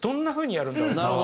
なるほど。